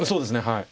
はい。